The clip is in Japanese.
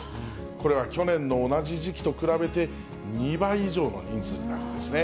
これは去年の同じ時期と比べて２倍以上の人数になるんですね。